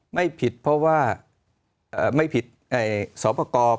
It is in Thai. ไม่ผิดเพราะว่าไม่ผิดสวปกรณ์